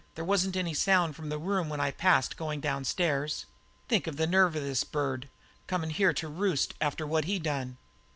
There wasn't any sound from his room when I passed it goin' downstairs. Think of the nerve of this bird comin' here to roost after what he done."